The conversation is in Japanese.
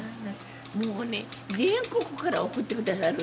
もうね全国から送ってくださるんですよ。